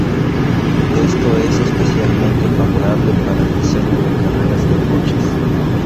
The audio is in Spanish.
Esto es especialmente favorable para el diseño de carreras de coches.